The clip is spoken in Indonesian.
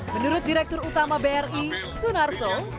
menurut direktur utama bri sunar so